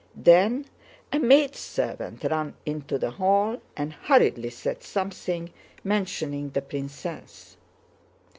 Then a maidservant ran into the hall and hurriedly said something, mentioning the princess.